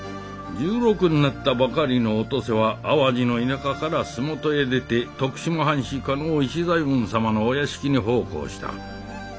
１６になったばかりのお登勢は淡路の田舎から洲本へ出て徳島藩士加納市左衛門様のお屋敷に奉公した。